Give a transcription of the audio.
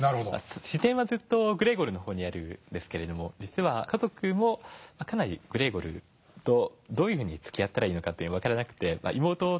視点はずっとグレーゴルの方にあるんですけれども実は家族もかなりグレーゴルとどういうふうにつきあったらいいか分からなくて。